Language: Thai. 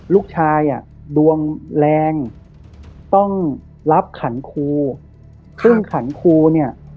ลูกชายอ่ะดวงแรงต้องรับขันครูซึ่งขันครูเนี่ย